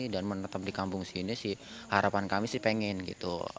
dan menetap di kampung sini sih harapan kami sih pengen gitu